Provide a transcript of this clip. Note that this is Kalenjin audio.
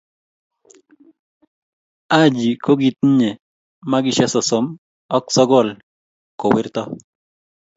Haji ko kitinyi makishe sosom a sokol ko werto.